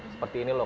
seperti ini loh